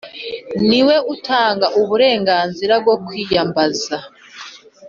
Niwe utanga uburenganzira bwo kwiyambaza